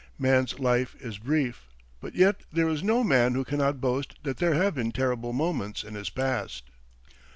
Man's life is brief, but yet there is no man who cannot boast that there have been terrible moments in his past.